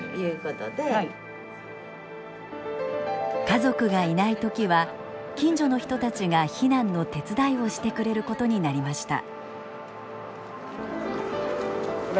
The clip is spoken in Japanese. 家族がいない時は近所の人たちが避難の手伝いをしてくれることになりました。